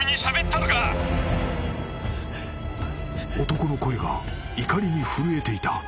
［男の声が怒りに震えていた］